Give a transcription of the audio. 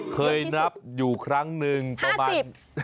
เคยนับอยู่ครั้งหนึ่งประมาณ